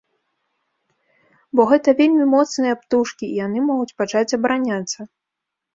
Бо гэта вельмі моцныя птушкі, і яны могуць пачаць абараняцца.